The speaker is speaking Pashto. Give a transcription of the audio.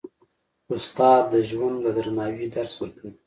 استاد د ژوند د درناوي درس ورکوي.